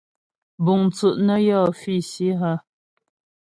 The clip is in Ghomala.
Búŋ tsú' nə́ yɔ́ físi hə́ ?